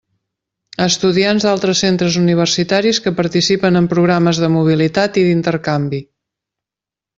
Estudiants d'altres centres universitaris que participen en programes de mobilitat i d'intercanvi.